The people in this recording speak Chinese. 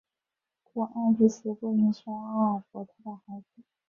故爱丽丝不应是阿尔伯特的孩子。